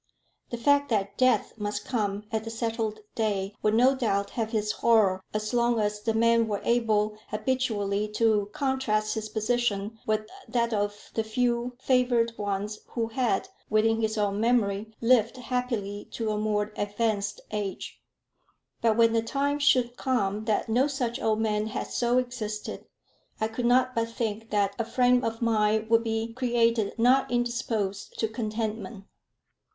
The fact that death must come at the settled day, would no doubt have its horror as long as the man were able habitually to contrast his position with that of the few favoured ones who had, within his own memory, lived happily to a more advanced age; but when the time should come that no such old man had so existed, I could not but think that a frame of mind would be created not indisposed to contentment.